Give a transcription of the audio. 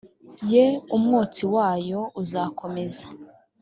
ye umwotsi wayo uzakomeza